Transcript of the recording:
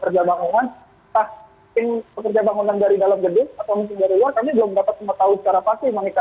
kerja bangunan entah pekerja bangunan dari dalam gedung atau mungkin dari luar kami belum dapat mengetahui secara pasti monika